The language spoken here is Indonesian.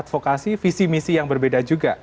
advokasi visi misi yang berbeda juga